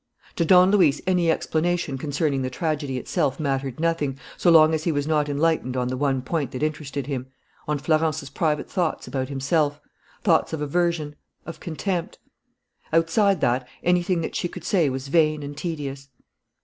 To Don Luis any explanation concerning the tragedy itself mattered nothing, so long as he was not enlightened on the one point that interested him, on Florence's private thoughts about himself, thoughts of aversion, of contempt. Outside that, anything that she could say was vain and tedious.